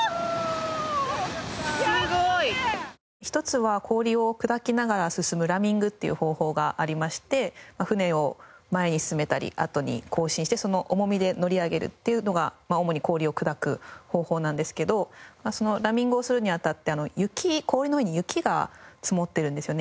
すごい！一つは氷を砕きながら進むラミングっていう方法がありまして船を前に進めたり後進してその重みで乗り上げるっていうのが主に氷を砕く方法なんですけどそのラミングをするにあたって氷の上に雪が積もってるんですよね。